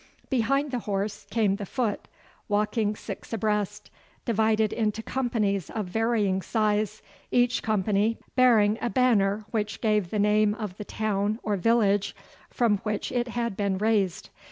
Behind the horse came the foot, walking six abreast, divided into companies of varying size, each company bearing a banner which gave the name of the town or village from which it had been raised.